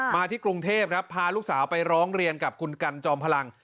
มาที่กรุงเทพครับพาลูกสาวไปร้องเรียนกับคุณกันจอมพลัง